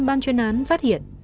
ban chuyên án phát hiện